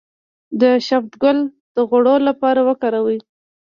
د شبت ګل د غوړ لپاره وکاروئ